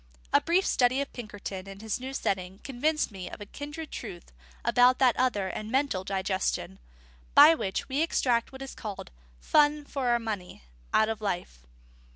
A brief study of Pinkerton in his new setting convinced me of a kindred truth about that other and mental digestion, by which we extract what is called "fun for our money" out of life.